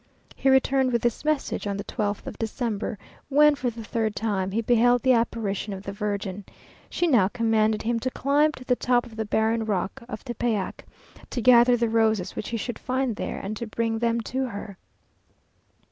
He returned with this message on the twelfth of December, when, for the third time, he beheld the apparition of the Virgin. She now commanded him to climb to the top of the barren rock of Tepeyac, to gather the roses which he should find there, and to bring them to her.